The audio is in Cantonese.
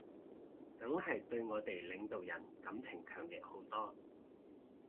梗係對我哋領導人感情強烈好多